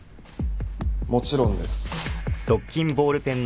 もちろんです。